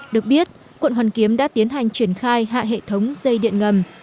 được biết quận hoàn kiếm đã tiến hành triển khai hạ hệ thống dây điện ngầm